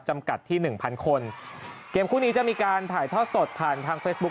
จำกัดที่หนึ่งพันคนเกมคู่นี้จะมีการถ่ายทอดสดผ่านทางเฟซบุ๊